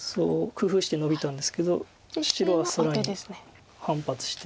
工夫してノビたんですけど白は更に反発して。